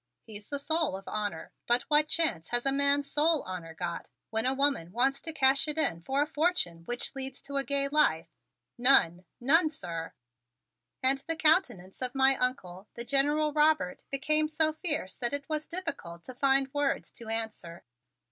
He's the soul of honor but what chance has a man's soul honor got when a woman wants to cash it in for a fortune with which to lead a gay life? None! None, sir!" And the countenance of my Uncle, the General Robert, became so fierce that it was difficult to find words to answer.